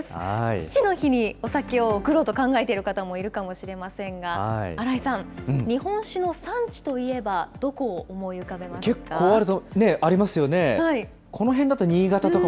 父の日にお酒を贈ろうと考えている方もいるかもしれませんが、新井さん、日本酒の産地といえばどこを思い浮かべますか。